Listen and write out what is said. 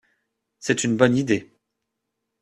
C’est une bonne idée.